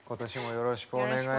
よろしくお願いします。